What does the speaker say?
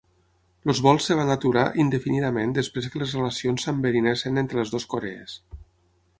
Els vols es van aturar indefinidament després que les relacions s'enverinessin entre les dues Corees.